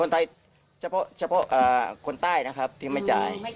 ไทยเฉพาะคนใต้นะครับที่ไม่จ่าย